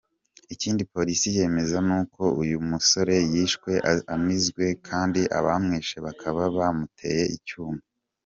Ikindi police yemeza nuko uyu musore yishwe anizwe kandi abamwishe bakaba bamuteye icyuma.